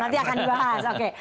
nanti akan dibahas oke